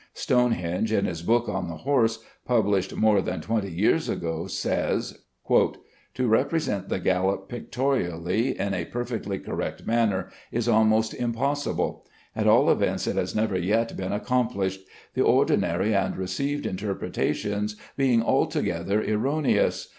Stonehenge, in his book on the horse, published more than twenty years ago, says: "To represent the gallop pictorially in a perfectly correct manner is almost impossible; at all events it has never yet been accomplished; the ordinary and received interpretation being altogether erroneous.